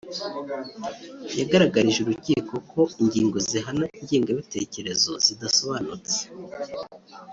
yagaragarije Urukiko ko ingingo zihana ingengabitekerezo zidasobanutse